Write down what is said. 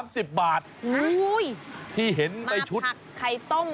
มาผักใคร้ต้มอะไรอย่างนี่หน่ะ